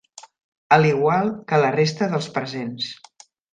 A l'igual que la resta dels presents.